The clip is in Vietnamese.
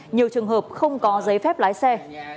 nhiều trường hợp không có giấy phép lái xe